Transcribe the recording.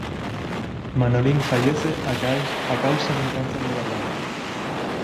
Manolín fallece a causa de un cáncer de garganta.